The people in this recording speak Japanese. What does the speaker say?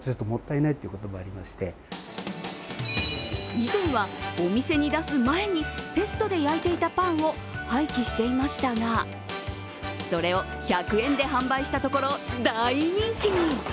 以前は、お店に出す前にテストで焼いていたパンを廃棄していましたが、それを１００円で販売したところ大人気に。